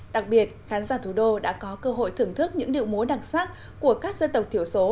đặc biệt khán giả thủ đô đã có cơ hội thưởng thức những điệu múa đặc sắc của các dân tộc thiểu số